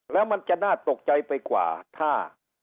แล้วมันจะน่าตกใจไปกว่าถ้า